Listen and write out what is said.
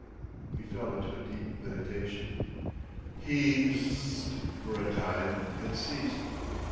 He fell into a deep meditation. He Zzzzed for a time and ceased.